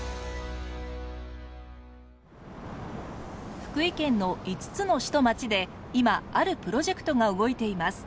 福井県の５つの市と町で今あるプロジェクトが動いています。